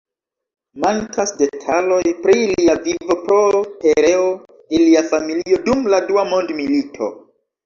Mankas detaloj pri lia vivo pro pereo de lia familio dum la Dua Mondmilito.